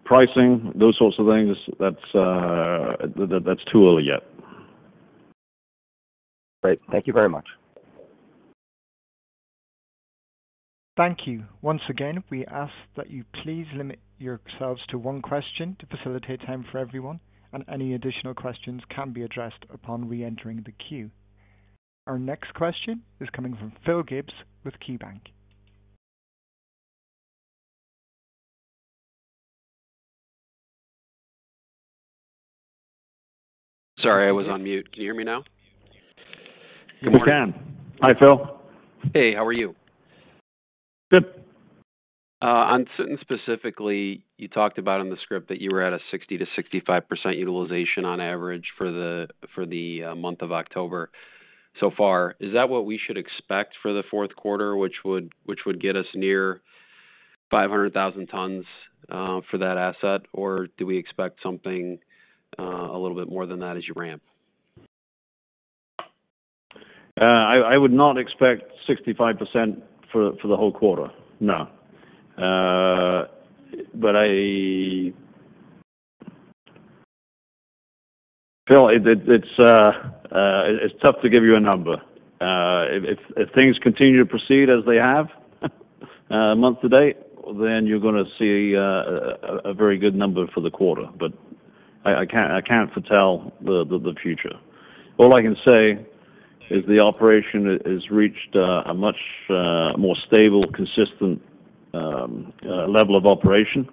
S3: pricing, those sorts of things, that's too early yet.
S10: Great. Thank you very much.
S1: Thank you. Once again, we ask that you please limit yourselves to one question to facilitate time for everyone, and any additional questions can be addressed upon reentering the queue. Our next question is coming from Phil Gibbs with KeyBanc.
S11: Sorry, I was on mute. Can you hear me now? Good morning.
S3: Yes, we can. Hi, Phil.
S11: Hey, how are you?
S3: Good.
S11: Specifically, you talked about in the script that you were at a 60%-65% utilization on average for the month of October so far. Is that what we should expect for the fourth quarter, which would get us near 500,000 tons for that asset? Or do we expect something a little bit more than that as you ramp?
S3: I would not expect 65% for the whole quarter. No. Phil, it's tough to give you a number. If things continue to proceed as they have month to date, then you're gonna see a very good number for the quarter. I can't foretell the future. All I can say is the operation has reached a much more stable, consistent level of operation.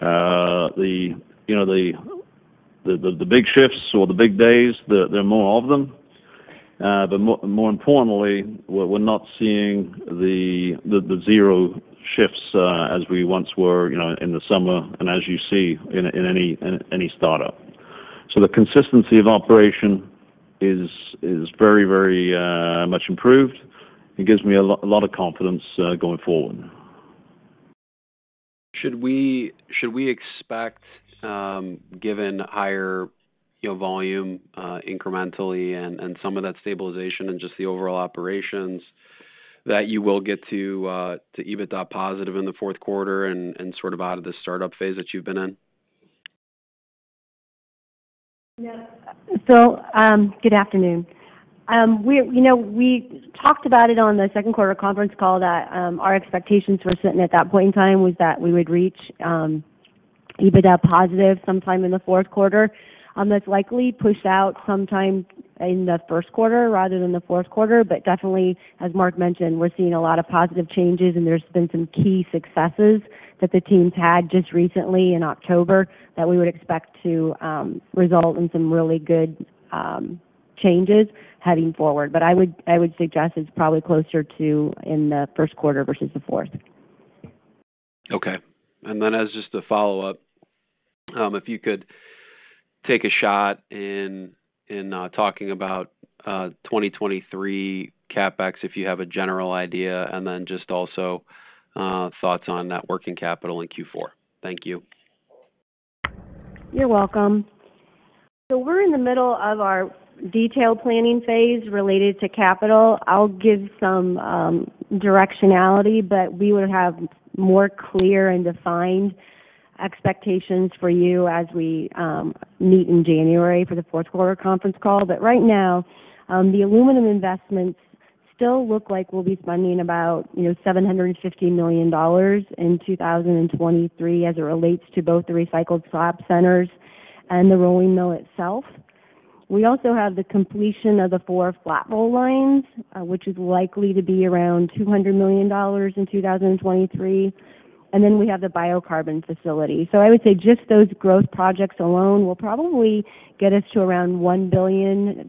S3: You know, the big shifts or the big days, there are more of them. More importantly, we're not seeing the zero shifts as we once were, you know, in the summer and as you see in any startup. The consistency of operation is very, very much improved. It gives me a lot of confidence going forward.
S11: Should we expect, given higher, you know, volume incrementally and some of that stabilization and just the overall operations, that you will get to EBITDA positive in the fourth quarter and sort of out of the startup phase that you've been in?
S4: Yeah. Good afternoon. You know, we talked about it on the second quarter conference call that our expectations were sitting at that point in time was that we would reach EBITDA positive sometime in the fourth quarter. That's likely pushed out sometime in the first quarter rather than the fourth quarter. Definitely, as Mark mentioned, we're seeing a lot of positive changes, and there's been some key successes that the team's had just recently in October that we would expect to result in some really good changes heading forward. I would suggest it's probably closer to in the first quarter versus the fourth.
S11: Okay. As just a follow-up, if you could take a shot in talking about 2023 CapEx, if you have a general idea, and then just also thoughts on net working capital in Q4. Thank you.
S4: You're welcome. We're in the middle of our detailed planning phase related to capital. I'll give some directionality, but we would have more clear and defined expectations for you as we meet in January for the fourth quarter conference call. Right now, the aluminum investments still look like we'll be funding about, you know, $750 million in 2023 as it relates to both the recycled slab centers and the rolling mill itself. We also have the completion of the four flat-roll lines, which is likely to be around $200 million in 2023. And then we have the biocarbon facility. I would say just those growth projects alone will probably get us to around $1 billion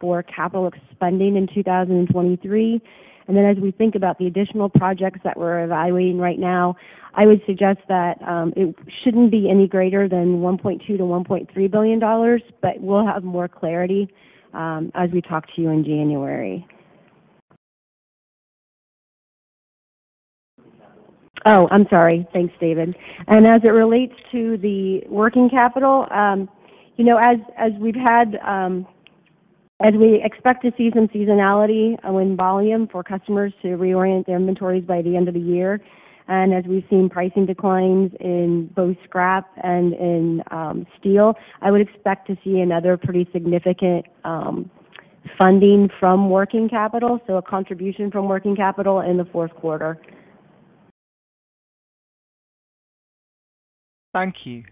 S4: for capital expenditures in 2023. Then as we think about the additional projects that we're evaluating right now, I would suggest that it shouldn't be any greater than $1.2 billion-$1.3 billion, but we'll have more clarity as we talk to you in January. Oh, I'm sorry. Thanks, David. As it relates to the working capital, you know, as we expect to see some seasonality in volume for customers to reorient their inventories by the end of the year, and as we've seen pricing declines in both scrap and in steel, I would expect to see another pretty significant funding from working capital, so a contribution from working capital in the fourth quarter.
S1: Thank you.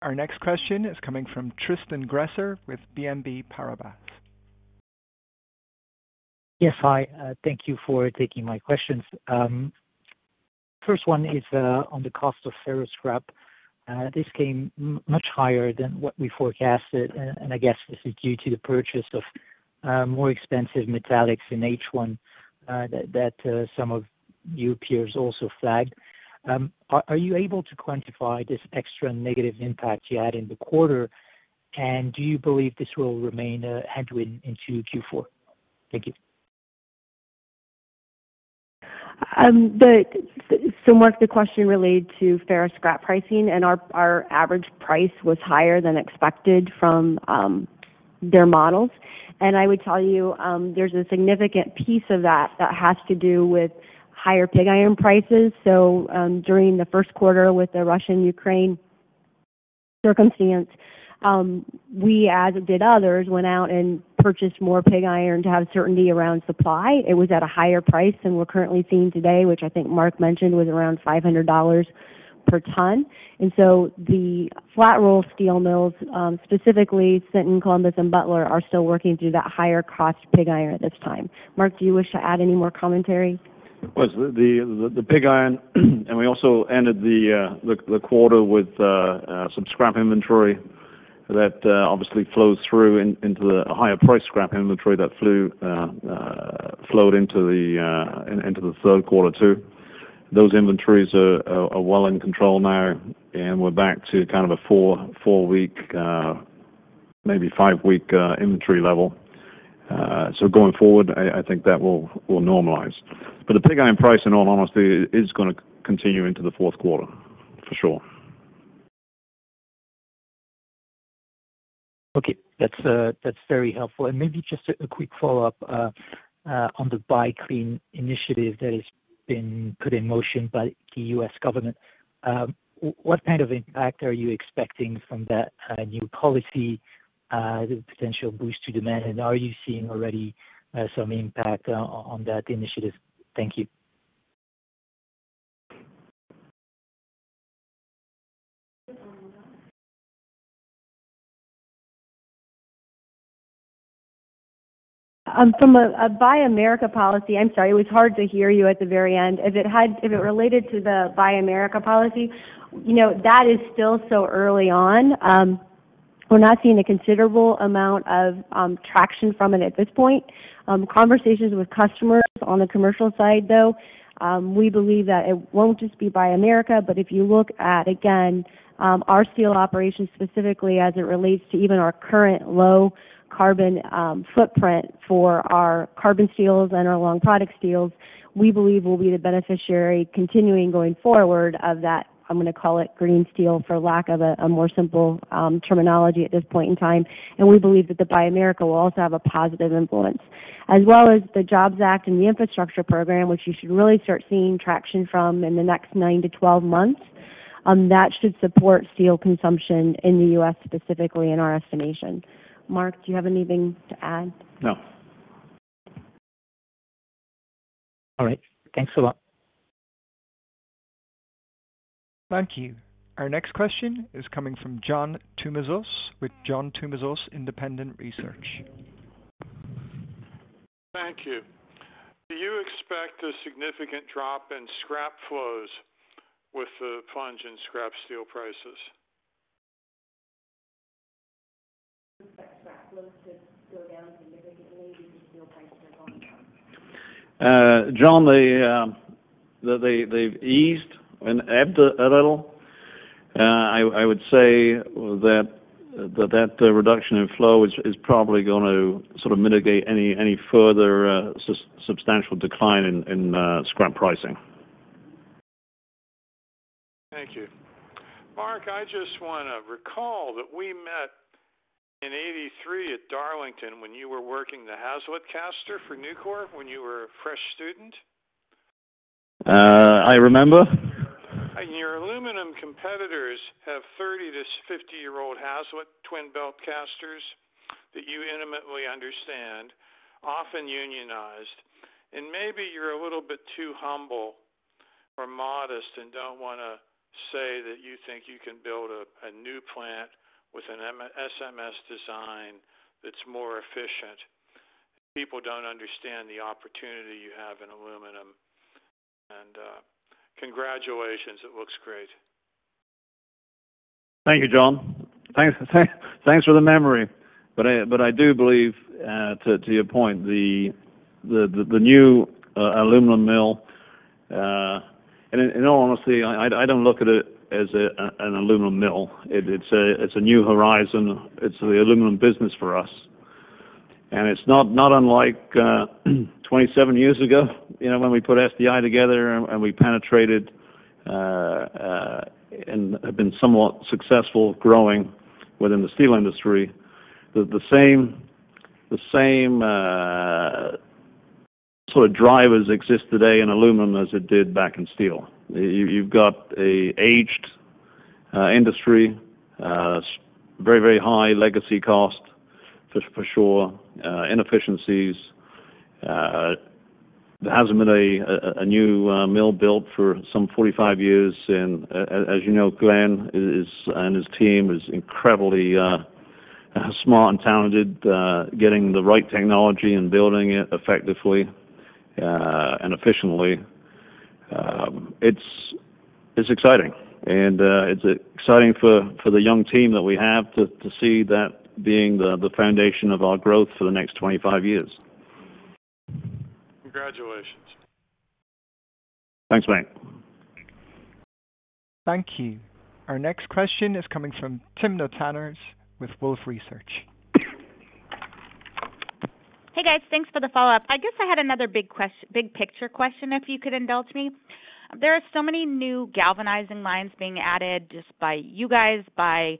S1: Our next question is coming from Tristan Gresser with BNP Paribas.
S12: Yes, hi. Thank you for taking my questions. First one is on the cost of ferrous scrap. This came much higher than what we forecasted, and I guess this is due to the purchase of more expensive metallics in H1, that some of your peers also flagged. Are you able to quantify this extra negative impact you had in the quarter, and do you believe this will remain a headwind into Q4? Thank you.
S4: Mark, the question related to ferrous scrap pricing and our average price was higher than expected from their models. I would tell you, there's a significant piece of that has to do with higher pig iron prices. During the first quarter with the Russia-Ukraine circumstance, we, as did others, went out and purchased more pig iron to have certainty around supply. It was at a higher price than we're currently seeing today, which I think Mark mentioned was around $500 per ton. The flat roll steel mills, specifically in Columbus and Butler, are still working through that higher-cost pig iron at this time. Mark, do you wish to add any more commentary?
S3: Was the pig iron. We also ended the quarter with some scrap inventory that obviously flows through into the higher price scrap inventory that flowed into the third quarter too. Those inventories are well in control now, and we're back to kind of a four-week, maybe five-week inventory level. Going forward, I think that will normalize. The pig iron price, in all honesty, is gonna continue into the fourth quarter, for sure.
S12: Okay. That's very helpful. Maybe just a quick follow-up on the Buy Clean initiative that has been put in motion by the U.S. government. What kind of impact are you expecting from that new policy, the potential boost to demand? Are you seeing already some impact on that initiative? Thank you.
S4: From a Buy American policy, I'm sorry, it was hard to hear you at the very end. If it related to the Buy American policy, you know, that is still so early on. We're not seeing a considerable amount of traction from it at this point. Conversations with customers on the commercial side, though, we believe that it won't just be Buy American, but if you look at, again, our steel operations specifically as it relates to even our current low carbon footprint for our carbon steels and our long product steels, we believe we'll be the beneficiary continuing going forward of that, I'm gonna call it green steel for lack of a more simple terminology at this point in time. We believe that the Buy American Act will also have a positive influence, as well as the Jobs Act and the infrastructure program, which you should really start seeing traction from in the next nine to 12 months. That should support steel consumption in the U.S. specifically in our estimation. Mark, do you have anything to add?
S3: No.
S12: All right. Thanks a lot.
S1: Thank you. Our next question is coming from John Tumazos with John Tumazos Very Independent Research.
S13: Thank you. Do you expect a significant drop in scrap flows with the plunge in scrap steel prices?
S4: Expect scrap flows to go down significantly due to steel prices going down.
S3: John, they've eased and ebbed a little. I would say that reduction in flow is probably gonna sort of mitigate any further substantial decline in scrap pricing.
S13: Thank you. Mark, I just wanna recall that we met in 1983 at Darlington when you were working the Hazelett caster for Nucor when you were a freshman student.
S3: I remember.
S13: Your aluminum competitors have 30- to 50-year-old Hazelett twin belt casters that you intimately understand, often unionized. Maybe you're a little bit too humble or modest and don't wanna say that you think you can build a new plant with an SMS design that's more efficient. People don't understand the opportunity you have in aluminum. Congratulations, it looks great.
S3: Thank you, John. Thanks. Thanks for the memory. I do believe to your point, the new aluminum mill. In all honesty, I don't look at it as an aluminum mill. It's a new horizon. It's the aluminum business for us. It's not unlike 27 years ago, you know, when we put SDI together and we penetrated and have been somewhat successful growing within the steel industry. The same. The drivers exist today in aluminum as it did back in steel. You've got a aged industry, very high legacy cost for sure, inefficiencies. There hasn't been a new mill built for some 45 years. As you know, Glenn is... His team is incredibly smart and talented getting the right technology and building it effectively and efficiently. It's exciting. It's exciting for the young team that we have to see that being the foundation of our growth for the next 25 years.
S13: Congratulations.
S3: Thanks, mate.
S1: Thank you. Our next question is coming from Timna Tanners with Wolfe Research.
S7: Hey, guys. Thanks for the follow-up. I guess I had another big picture question, if you could indulge me. There are so many new galvanizing lines being added just by you guys, by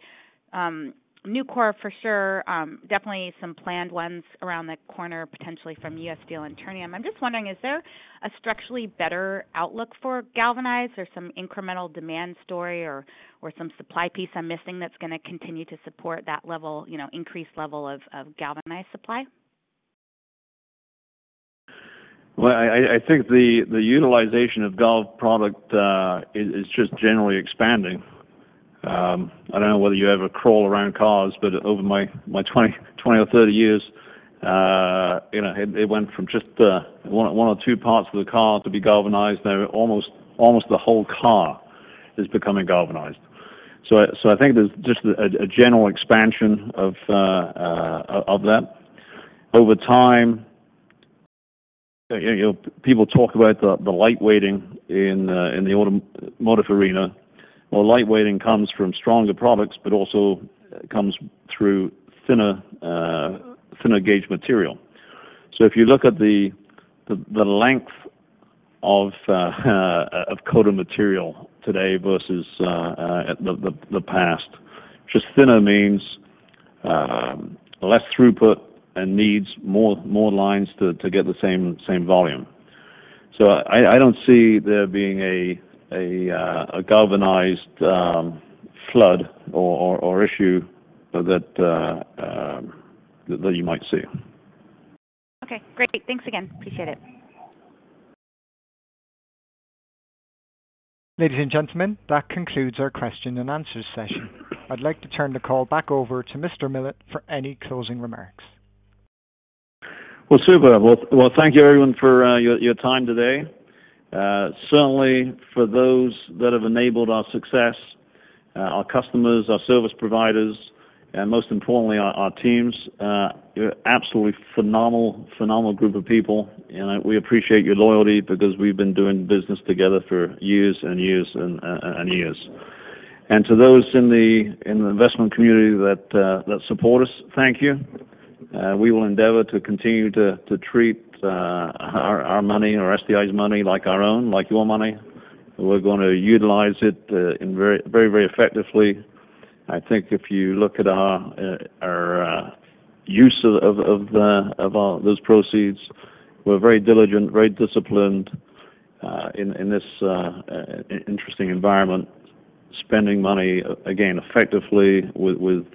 S7: Nucor for sure, definitely some planned ones around the corner, potentially from U.S. Steel and Ternium. I'm just wondering, is there a structurally better outlook for galvanized or some incremental demand story or some supply piece I'm missing that's gonna continue to support that level, you know, increased level of galvanized supply?
S3: I think the utilization of Galvalume product is just generally expanding. I don't know whether you ever crawl around cars, but over my 20 or 30 years, you know, it went from just one or two parts of the car to be galvanized. Now almost the whole car is becoming galvanized. I think there's just a general expansion of that. Over time, you know, people talk about the lightweighting in the automotive arena. Lightweighting comes from stronger products but also comes through thinner gauge material. If you look at the length of coated material today versus the past, just thinner means less throughput and needs more lines to get the same volume. I don't see there being a galvanized flood or issue that you might see.
S7: Okay, great. Thanks again. Appreciate it.
S1: Ladies and gentlemen, that concludes our question and answer session. I'd like to turn the call back over to Mr. Millett for any closing remarks.
S3: Well, thank you everyone for your time today. Certainly for those that have enabled our success, our customers, our service providers, and most importantly, our teams. You're absolutely phenomenal group of people. We appreciate your loyalty because we've been doing business together for years and years. To those in the investment community that support us, thank you. We will endeavor to continue to treat our money or SDI's money like our own, like your money. We're gonna utilize it in very, very, very effectively. I think if you look at our use of those proceeds, we're very diligent, very disciplined in this interesting environment, spending money again effectively with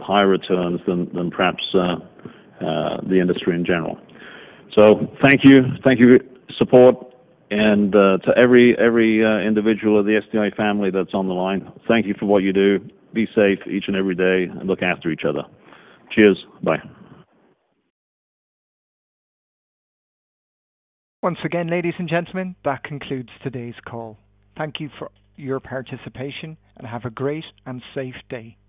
S3: higher returns than perhaps the industry in general. Thank you. Thank you for your support. To every individual of the SDI family that's on the line, thank you for what you do. Be safe each and every day, and look after each other. Cheers. Bye.
S1: Once again, ladies and gentlemen, that concludes today's call. Thank you for your participation, and have a great and safe day.